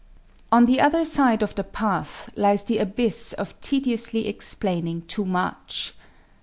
On the other side of the path lies the abyss of tediously explaining too much.